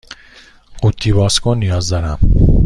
قوطی باز کن نیاز دارم.